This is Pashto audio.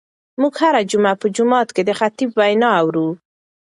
موږ هره جمعه په جومات کې د خطیب وینا اورو.